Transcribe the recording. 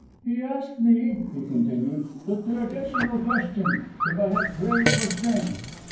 "He asked me," he continued, "the traditional question: if I had prayed for strength.